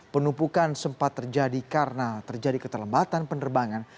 penumpukan sempat terjadi karena terjadi keterlambatan penerbangan